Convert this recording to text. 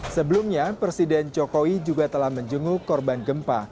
sebelumnya presiden jokowi juga telah menjenguk korban gempa